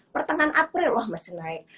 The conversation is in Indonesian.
pertengahan april wah masih naik